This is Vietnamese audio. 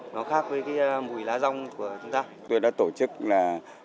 nó khác với cái mùi lá rong của chúng ta